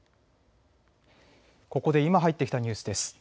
ここで今入ってきたニュースです。